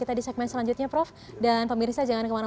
tapi lebih orang yang sulit mengubah ini